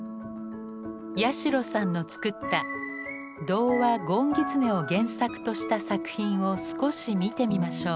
八代さんの作った童話「ごんぎつね」を原作とした作品を少し見てみましょう。